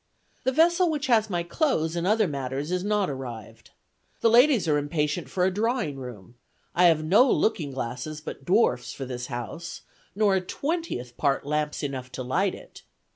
The vessel which has my clothes and other matters is not arrived. The ladies are impatient for a drawing room; I have no looking glasses but dwarfs for this house; nor a twentieth part lamps enough to light it.